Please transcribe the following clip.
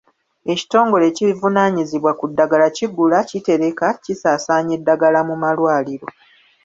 Ekitongole ekivunaanyizibwa ku ddagala kigula, kitereka kisaasaanya eddagala mu malwaliro.